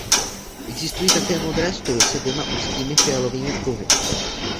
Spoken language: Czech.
Existují také modré stuhy se dvěma úzkými fialovými pruhy.